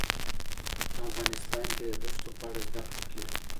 افغانستان کې د دښتو په اړه زده کړه کېږي.